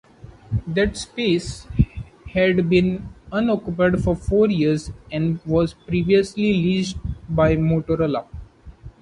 That space had been unoccupied for four years and was previously leased by Motorola.